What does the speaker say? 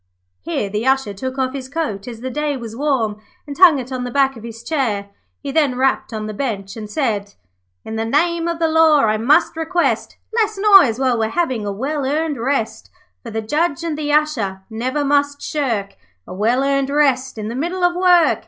Here, the Usher took off his coat, as the day was warm, and hung it on the back of his chair. He then rapped on the bench and said 'In the name of the Law I must request Less noise while we're having a well earned rest, For the Judge and the Usher never must shirk A well earned rest in the middle of work.